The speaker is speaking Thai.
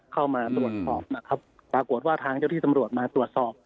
เข้ามาตรวจสอบนะครับปรากฏว่าทางเจ้าที่ตำรวจมาตรวจสอบ